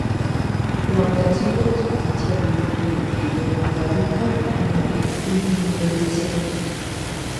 La operación de la experiencia vivida del individuo radica en la individuación.